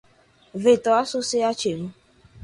vetor associativo